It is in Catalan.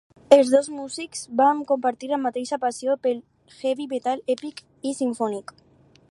Els dos músics van compartir la mateixa passió pel Heavy Metal èpic i simfònic.